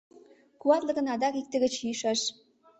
Куатле гын, адак икте гыч йӱшаш.